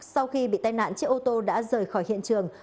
sau khi bị tai nạn chiếc ô tô đã rời khỏi hiện trường